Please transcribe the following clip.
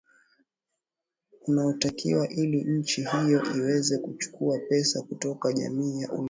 unaotakiwa ili nchi hiyo iweze kuchukua pesa kutoka jamii ya ulaya